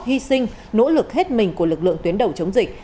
hy sinh nỗ lực hết mình của lực lượng tuyến đầu chống dịch